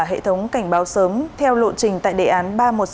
hệ thống cảnh báo sớm theo lộ trình tại đề án ba một sáu